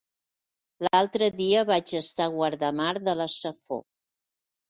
L'altre dia vaig estar a Guardamar de la Safor.